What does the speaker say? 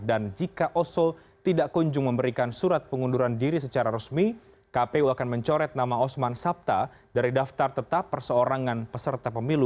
dan jika oso tidak kunjung memberikan surat pengunduran diri secara resmi kpu akan mencoret nama osman sabta dari daftar tetap perseorangan peserta pemilu dua ribu sembilan belas